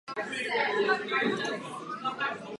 Hru sám režíroval a zapojil do ní všechny nové členy.